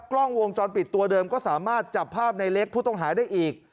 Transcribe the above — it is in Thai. กล้องวงจรปิดตัวเดิมก็สามารถจับภาพในเล็กผู้ต้องหาได้อีก